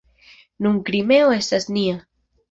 Nun Krimeo estas nia.